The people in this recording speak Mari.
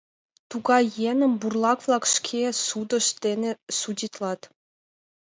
Тугай еҥым бурлак-влак шке судышт дене судитлат.